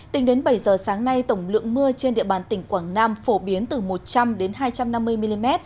tính đến bảy giờ sáng nay tổng lượng mưa trên địa bàn tỉnh quảng nam phổ biến từ một trăm linh hai trăm năm mươi mm